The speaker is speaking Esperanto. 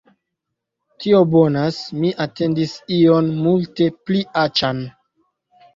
Tio bonas. Mi atendis ion multe pli aĉan